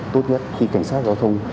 tốt nhất khi cảnh sát giao thông